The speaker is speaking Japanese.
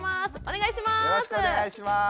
お願いします。